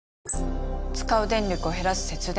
使う電力をへらす節電。